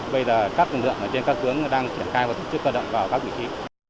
bây giờ các lực lượng ở trên các hướng đang triển khai và tổ chức cơ động vào các vị trí